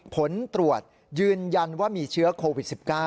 ผลตรวจยืนยันว่ามีเชื้อโควิด๑๙